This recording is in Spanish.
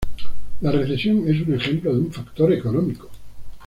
La recesión es un ejemplo de un factor económico.